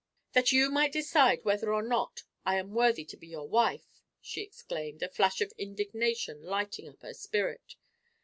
"That you might decide whether or not I am worthy to be your wife!" she exclaimed, a flash of indignation lighting up her spirit.